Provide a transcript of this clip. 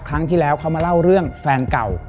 ครั้งที่แล้วเขามาเล่าเรื่องแฟนเก่า